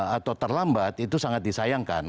atau terlambat itu sangat disayangkan